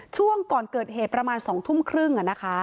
ช่วงก่อนเกิดเหตุประมาณ๒ทุ่มครึ่ง